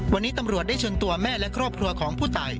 วันนี้ตำรวจได้เชิญตัวแม่และครอบครัวของผู้ตาย